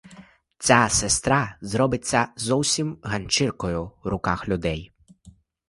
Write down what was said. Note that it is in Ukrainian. Ця сестра зробиться зовсім ганчіркою в руках людей.